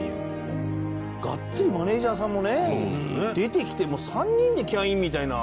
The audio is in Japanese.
がっつりマネジャーさんもね出てきて３人でキャインみたいな。